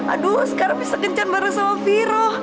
aduh sekarang bisa kencan bareng sama viro